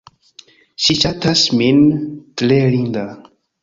Ŝi ŝatas min. Tre linda.